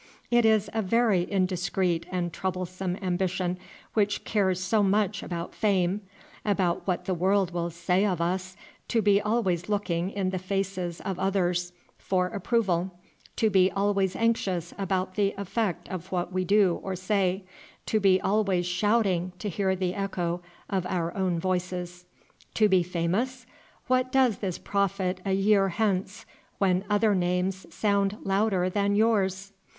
It is a very indiscreet and troublesome ambition which cares so much about fame, about what the world will say of us, to be always looking in the faces of others for approval, to be always anxious about the effect of what we do or say, to be always shouting to hear the echo of our own voices. To be famous? What does this profit a year hence, when other names sound louder than yours?